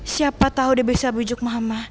siapa tau dia bisa bujuk mama